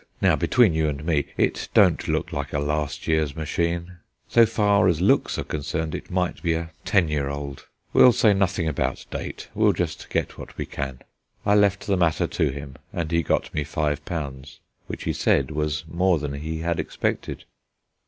Now, between you and me, it don't look like a last year's machine; so far as looks are concerned, it might be a ten year old. We'll say nothing about date; we'll just get what we can." I left the matter to him, and he got me five pounds, which he said was more than he had expected.